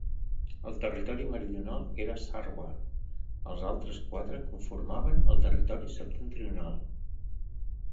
El territori meridional era Sarwar; els altres quatre conformaven el territori septentrional.